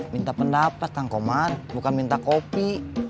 minta pendapat kang komar bukan minta kopi